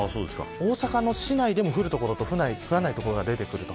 大阪の市内でも降る所と降らない所が出てきます。